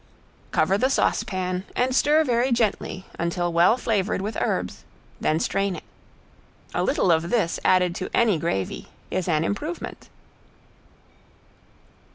Cover the saucepan and stir very gently until well flavored with herbs, then strain it. A little of this added to any gravy is an improvement.